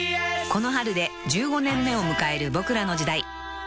［この春で１５年目を迎える『ボクらの時代』］